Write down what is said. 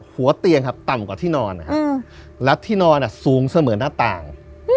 หัวเตียงครับต่ำกว่าที่นอนนะครับและที่นอนสูงเสมือนหน้าต่าง